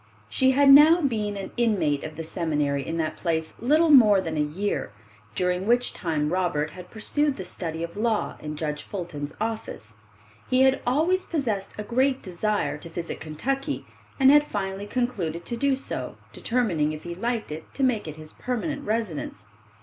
She had now been an inmate of the seminary in that place little more than a year, during which time Robert had pursued the study of law in Judge Fulton's office. He had always possessed a great desire to visit Kentucky, and had finally concluded to do so, determining if he liked it to make it his permanent residence.